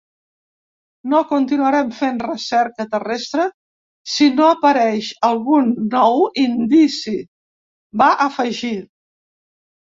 No continuarem fent recerca terrestre si no apareix algun nou indici, va afegir.